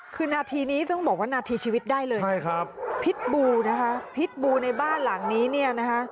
คือนาทีนี้ต้องบอกว่านาทีชีวิตได้เลยใช่ครับพิษบูนะคะพิษบูในบ้านหลังนี้เนี่ยนะคะ